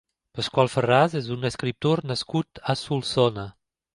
Pasqual Farràs és un escriptor nascut a Solsona.